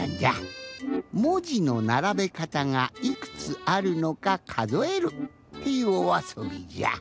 もじのならべかたがいくつあるのかかぞえるっていうおあそびじゃ。